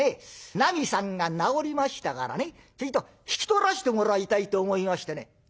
なみさんが治りましたからねちょいと引き取らしてもらいたいと思いましてね」。